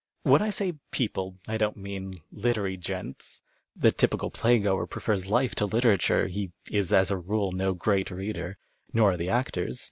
When I say " people '' I don't mean " littery gents." The typical playgoer prefers life to litera ture. He is as a rule no great reader. Nor are the actors.